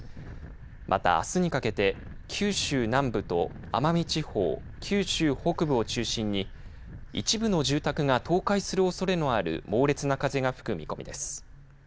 また、あすにかけて九州南部と奄美地方九州北部を中心に一部の住宅が倒壊するおそれのある猛烈な風が吹く見込みです。